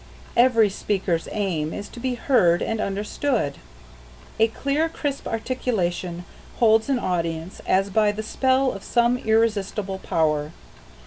Every speaker's aim is to be heard and understood. A clear, crisp articulation holds an audience as by the spell of some irresistible power.